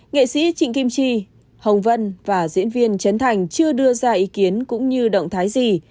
nghệ sĩ trịnh kim chi hồng vân và diễn viên trấn thành chưa đưa ra ý kiến cũng như động thái gì